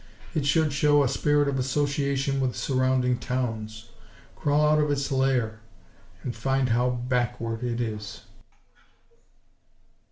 It should show a spirit of association with surrounding towns; crawl out of its lair, and find how backward it is.